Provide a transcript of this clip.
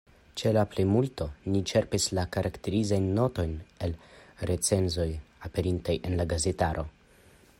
Ĉe la plimulto ni ĉerpis la karakterizajn notojn el recenzoj, aperintaj en la gazetaro.